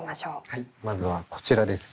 はいまずはこちらです。